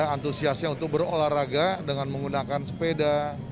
antusiasnya untuk berolahraga dengan menggunakan sepeda